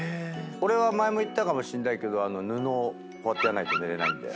俺は前も言ったかもしんないけど布をこうやってやんないと寝れないんで。